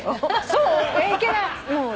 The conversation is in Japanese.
そう？